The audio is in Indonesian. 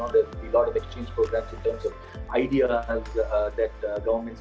dan kita pasti merasa ada banyak program perubahan dalam hal ide yang bisa diubah oleh pemerintah